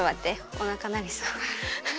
おなかなりそう。